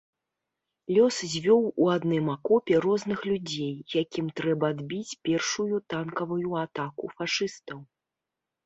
Лёс звёў у адным акопе розных людзей, якім трэба адбіць першую танкавую атаку фашыстаў.